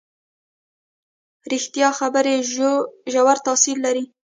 ریښتیا خبرې ژور تاثیر لري.